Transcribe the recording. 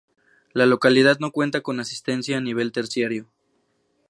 La localidad no cuenta con asistencia a nivel terciario.